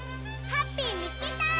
ハッピーみつけた！